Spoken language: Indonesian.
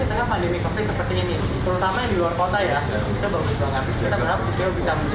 di tengah pandemi seperti ini terutama di luar kota ya itu bagus banget kita berharap bisa menjadi